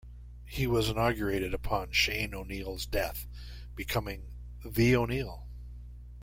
He was inaugurated upon Shane O'Neill's death, becoming "The O'Neill".